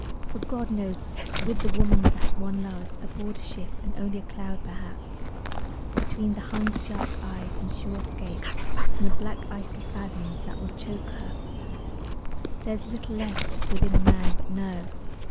For God knows, with the woman that one loves Aboard a ship, and only a cloud perhaps Between the Hun's shark eyes and sure escape From the black icy fathoms that would choke her, There's little left within a man but nerves.